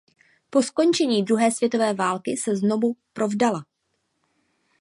Po skončení druhé světové války se znovu provdala.